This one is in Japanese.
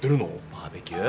バーベキュー？